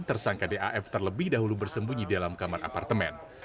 tersangka daf terlebih dahulu bersembunyi dalam kamar apartemen